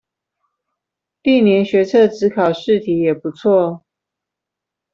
歷年學測指考試題也不錯